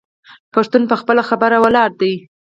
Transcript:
پښتون په خپله خبره ولاړ دی.